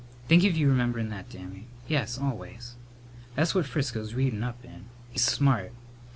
"Think of your rememberin' that, Dammy! Yes, always." "That's what Frisco's readin' up in. He's smart.